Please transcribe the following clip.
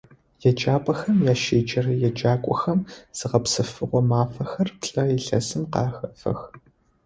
Еджапӏэхэм ащеджэрэ еджакӏохэм зыгъэпсэфыгъо мафэхэр плӏэ илъэсым къыхэфэх.